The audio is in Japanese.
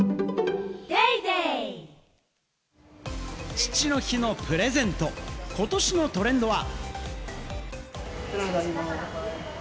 父の日のプレゼント、ことしのトレンドは？